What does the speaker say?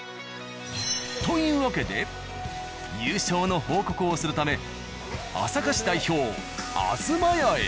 というわけで優勝の報告をするため朝霞市代表「あづま家」へ。